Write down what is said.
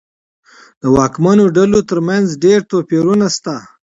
د واکمنو ډلو ترمنځ ډېر توپیرونه شته.